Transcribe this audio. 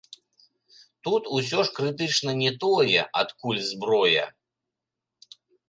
Тут усё ж крытычна не тое, адкуль зброя.